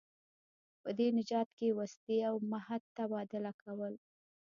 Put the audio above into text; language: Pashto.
په دې تجارت کې وسلې او مهت تبادله کول.